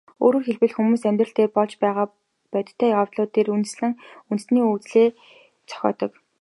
Өөрөөр хэлбэл, хүмүүс амьдрал дээр болж байгаа бодтой явдлууд дээр үндэслэн үндэсний үзлээ зохиодог.